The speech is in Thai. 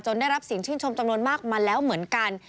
ได้รับเสียงชื่นชมจำนวนมากมาแล้วเหมือนกัน